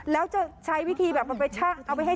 แล้วจะใช้วิธีแบบเอาไปให้ช่างแก้